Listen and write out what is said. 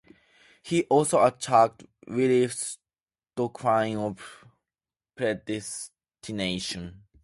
He also attacked Wyclif's doctrine of predestination.